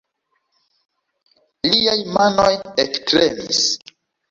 Liaj manoj ektremis.